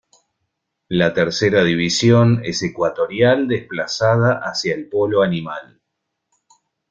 La tercera división es ecuatorial desplazada hacia el polo animal.